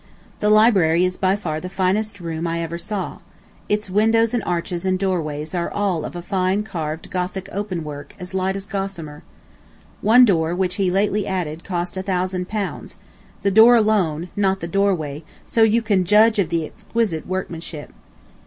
The library is by far the finest room I ever saw. Its windows and arches and doorways are all of a fine carved Gothic open work as light as gossamer. One door which he lately added cost a thousand pounds, the door alone, not the doorway, so you can judge of the exquisite workmanship.